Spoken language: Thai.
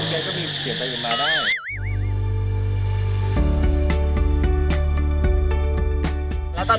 พี่ลูกแก้ก็มีเครียดของเราได้